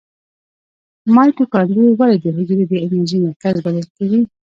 مایتوکاندري ولې د حجرې د انرژۍ مرکز بلل کیږي؟